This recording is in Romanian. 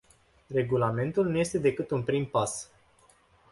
Regulamentul nu este decât un prim pas.